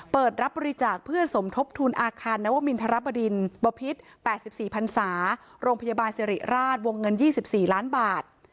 เปิดรับบริจาคเพื่อสมทบทุนอาคารนวมินทรบดินบพิษ๘๔พันศาโรงพยาบาลสิริราชวงเงิน๒๔ล้านบาท